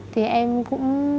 thì em cũng